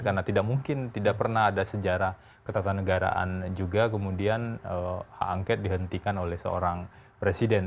karena tidak mungkin tidak pernah ada sejarah ketatanegaraan juga kemudian hak angket dihentikan oleh seorang presiden